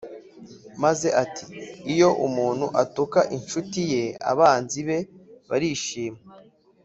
maze ati « iyo umuntu atuka inshuti ye, abanzi be barishima. »